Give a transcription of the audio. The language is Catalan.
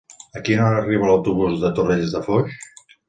A quina hora arriba l'autobús de Torrelles de Foix?